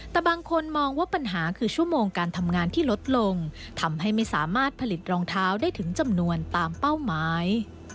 แต่บางคนมองว่าปัญหาคือชั่วโมงการทำงานที่ลดลงทำให้ไม่สามารถผลิตรองเท้าได้ถึงจำนวนตามเป้าหมาย